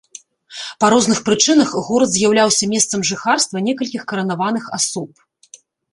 Па розных прычынах горад з'яўляўся месцам жыхарства некалькіх каранаваных асоб.